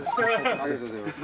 ありがとうございます。